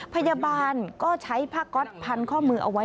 พยาบาลก็ใช้ผ้าก๊อตพันข้อมือเอาไว้